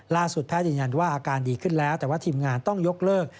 แพทย์ยืนยันว่าอาการดีขึ้นแล้วแต่ว่าทีมงานต้องยกเลิก